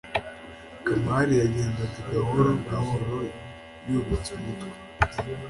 kamari yagendaga gahoro gahoro yubitse umutwe